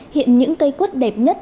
hiện những cây quốc đẹp nhất